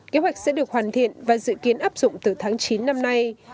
kế hoạch sẽ được hoàn thiện và dự kiến áp dụng từ tháng chín năm nay